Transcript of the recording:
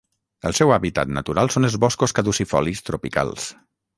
El seu hàbitat natural són els boscos caducifolis tropicals.